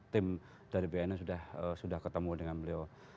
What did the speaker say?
tim dari bnn sudah ketemu dengan beliau